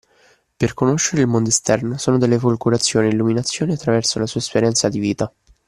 Per conoscere il mondo esterno sono delle folgorazioni e illuminazioniattraverso la sua esperienza di vita.